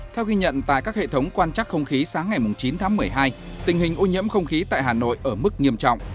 theo ghi nhận tại các hệ thống quan trắc không khí sáng ngày chín tháng một mươi hai tình hình ô nhiễm không khí tại hà nội ở mức nghiêm trọng